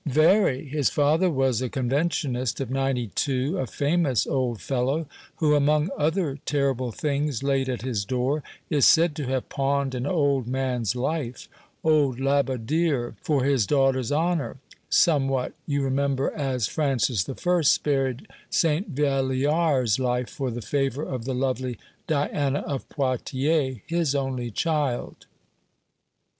"Very. His father was a Conventionist of '92, a famous old fellow, who, among other terrible things laid at his door, is said to have pawned an old man's life, old Labodère, for his daughter's honor; somewhat, you remember, as Francis I. spared St. Valliar's life for the favor of the lovely Diana of Poitiers, his only child.